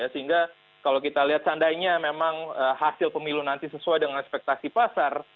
sehingga kalau kita lihat seandainya memang hasil pemilu nanti sesuai dengan ekspektasi pasar